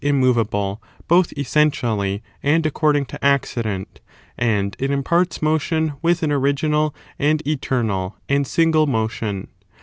immovable both essentially and according to accident, and it imparts motion with an original and eternal and single motion.